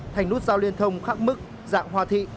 thành nút giao liên thông khắc mức dạng hòa thị